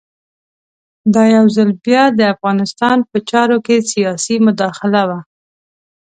دا یو ځل بیا د افغانستان په چارو کې سیاسي مداخله وه.